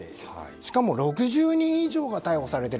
しかも６０人以上が逮捕されている。